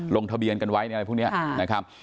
ลงทะเบียนกันไว้ในอะไรพวกนี้นะครับ